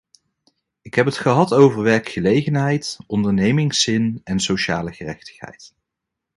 Ik heb het gehad over werkgelegenheid, ondernemingszin en sociale gerechtigheid.